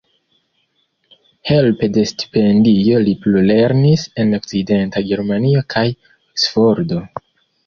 Helpe de stipendio li plulernis en Okcidenta Germanio kaj Oksfordo.